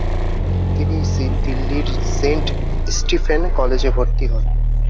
তিনি দিল্লির Saint Stephen কলেজে ভর্তি হন।